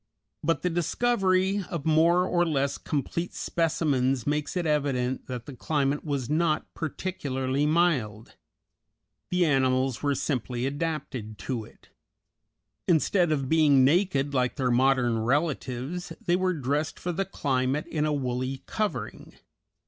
But the discovery of more or less complete specimens makes it evident that the climate was not particularly mild; the animals were simply adapted to it; instead of being naked like their modern relatives, they were dressed for the climate in a woolly covering.